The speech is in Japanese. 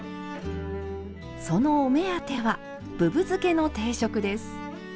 そのお目当てはぶぶ漬けの定食です。